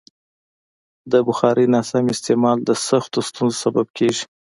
د بخارۍ ناسم استعمال د سختو ستونزو سبب کېږي.